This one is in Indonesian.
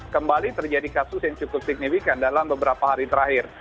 kembali terjadi kasus yang cukup signifikan dalam beberapa hari terakhir